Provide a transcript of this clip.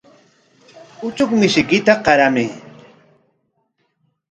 Uchuk mishiykita qaramay.